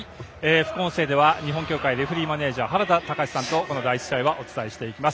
副音声では日本協会レフリーマネージャー原田隆司さんと第１試合をお伝えしていきます。